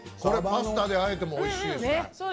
パスタであえてもおいしいですね。